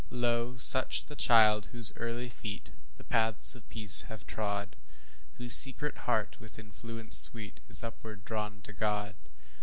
Lo, such the child whose early feet The paths of peace have trod; Whose secret heart, with influence sweet, Is upward drawn to God.